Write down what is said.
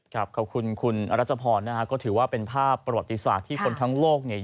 ขอบคุณคุณอรัชพรนะฮะก็ถือว่าเป็นภาพประวัติศาสตร์ที่คนทั้งโลกเนี่ย